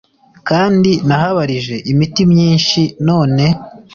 kandi nahabarije imiti myinshi none